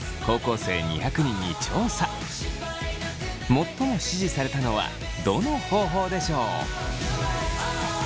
最も支持されたのはどの方法でしょう？